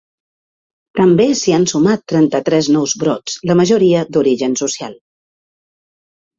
També s’hi han sumat trenta-tres nous brots, la majoria d’origen social.